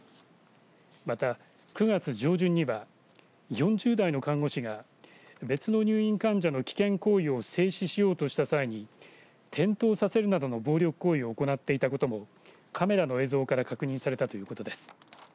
また、９月上旬には４０代の看護師が別の入院患者の危険行為を制止しようとした際に転倒させるなどの暴力行為を行っていたこともカメラの映像から確認されたということです。